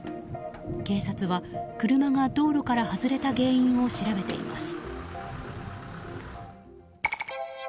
警察は、車が道路から外れた原因を調べています。